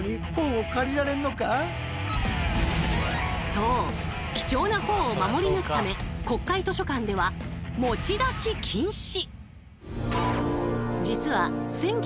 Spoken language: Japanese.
そう貴重な本を守り抜くため国会図書館では持ち出し禁止。